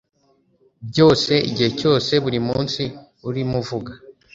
byose, igihe cyose, buri munsi. Urimo uvuga,